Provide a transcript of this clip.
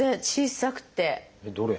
どれ？